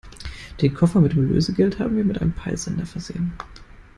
Den Koffer mit dem Lösegeld haben wir mit einem Peilsender versehen.